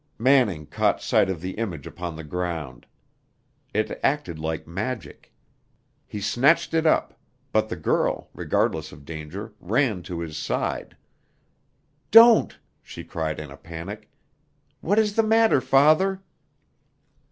Manning caught sight of the image upon the ground. It acted like magic. He snatched it up. But the girl, regardless of danger, ran to his side. "Don't," she cried in a panic. "What is the matter, father?"